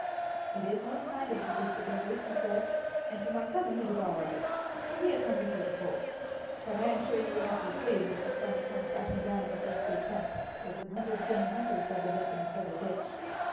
"It is most kind of you, Mr. Bingley," he said; "and for my cousin, it is all right, for he has hunted here before. But I am sure you would not be pleased, if you saw me come crashing down at the first big fence, with your hundred guinea hunter doubled up in the further ditch."